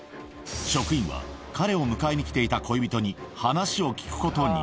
職員は彼を迎えに来ていた恋人に話を聞くことに。